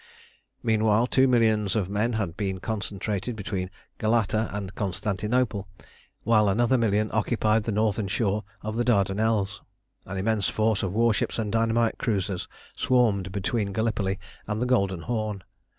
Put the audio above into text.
Meanwhile, two millions of men had been concentrated between Galata and Constantinople, while another million occupied the northern shore of the Dardanelles. An immense force of warships and dynamite cruisers swarmed between Gallipoli and the Golden Horn.